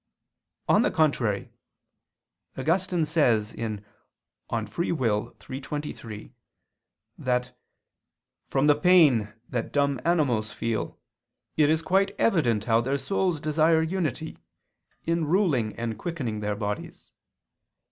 On the contrary, Augustine says (De Lib. Arb. iii, 23), that "from the pain that dumb animals feel, it is quite evident how their souls desire unity, in ruling and quickening their bodies.